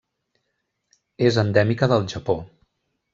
És endèmica del Japó.